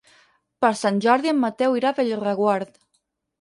Per Sant Jordi en Mateu irà a Bellreguard.